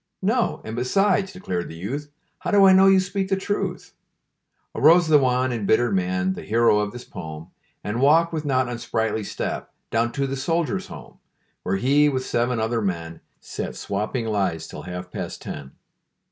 "No. And, besides," declared the youth, "How do I know you speak the truth?" Arose the Wan, embittered man, The hero of this pome, And walked, with not unsprightly step, Down to the Soldiers' Home, Where he, with seven other men, Sat swapping lies till half past ten.